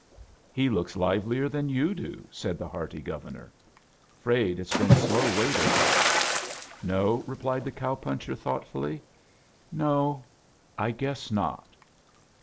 "He looks livelier than yoa do," said> the hearty Governor. '"Fraid it's fccen slow waiting." "No," replied the cow poncher, thooght fuHy. "No, I gtiess not."